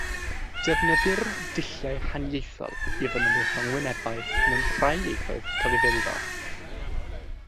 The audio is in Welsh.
Defnyddir dulliau haniaethol i fanylu rhyngwynebau mewn rhai ieithoedd cyfrifiadurol.